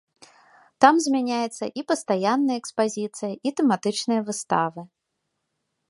Там змяняецца і пастаянная экспазіцыя, і тэматычныя выставы.